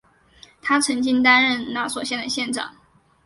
他曾经担任拿索县的县长。